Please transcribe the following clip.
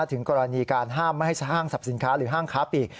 ถึงกรณีการห้ามไม่ให้ห้างสรรพสินค้าหรือห้างค้าปีก